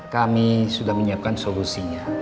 kami sudah menyiapkan solusinya